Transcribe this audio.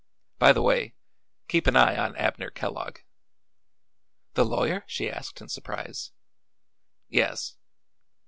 By the way, keep an eye on Abner Kellogg." "The lawyer?" she asked in surprise. "Yes.